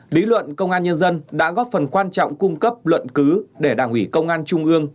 lý luận công an nhân dân đã góp phần quan trọng cung cấp luận cứ để đảng ủy công an trung ương